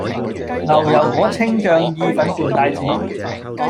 牛油果青醬意粉伴帶子